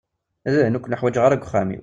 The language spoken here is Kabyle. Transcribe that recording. Dayen ur ken-uḥwaǧeɣ ara deg uxxam-iw.